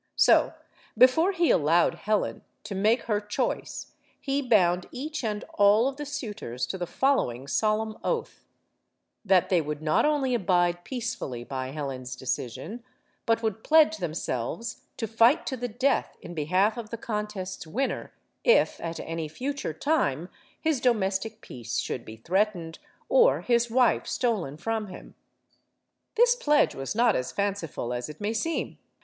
So, before he allowed Helen to make her choice he bound each and all of the suitors to the following solemn oath: That they would not only abide peacefully by Helen's decision, but would pledge themselves to fight to the death in behalf of the contest's winner if, at any future time, his domestic peace should be threatened, or his wife stolen from him. This pledge was not as fanciful as it may seem.